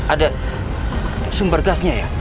ada sumber gasnya ya